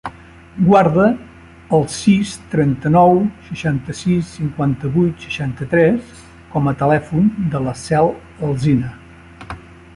Guarda el sis, trenta-nou, seixanta-sis, cinquanta-vuit, seixanta-tres com a telèfon de la Cel Alsina.